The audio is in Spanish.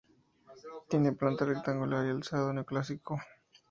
Tiene planta rectangular y alzado neoclásico.